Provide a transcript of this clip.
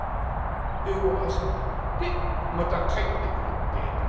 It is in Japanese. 餌をあさってまた帰ってくるってえと。